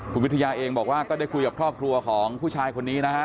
คุณวิทยาเองบอกว่าก็ได้คุยกับครอบครัวของผู้ชายคนนี้นะฮะ